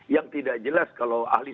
yang tidak jelas kalau ahli